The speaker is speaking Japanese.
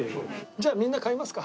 じゃあみんな買いますか。